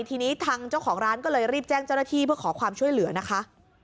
ทีนี้ทางเจ้าของร้านก็เลยรีบแจ้งเจ้าหน้าที่เพื่อขอความช่วยเหลือนะคะ